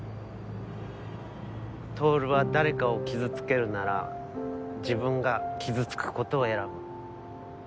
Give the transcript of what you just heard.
透は誰かを傷つけるなら自分が傷つくことを選ぶ。